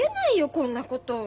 こんなこと。